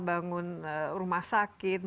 bangun rumah sakit